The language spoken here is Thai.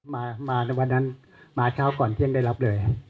มาในวันนั้นมาเช้าก่อนเที่ยงได้รับเลย